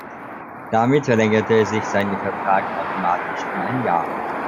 Damit verlängerte sich sein Vertrag automatisch um ein Jahr.